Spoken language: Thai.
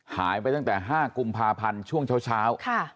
หายไปตั้งแต่๕กุมภาพันธ์ช่วงเช้า